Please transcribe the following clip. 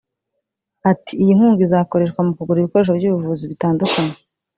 Ati” Iyi nkunga izakoreshwa mu kugura ibikoresho by’ubuvuzi bitandukanye